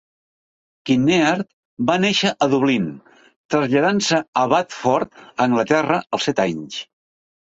Kinnear va néixer a Dublín, traslladant-se a Watford, Anglaterra als set anys.